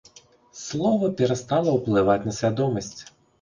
Слова перастала ўплываць на свядомасць.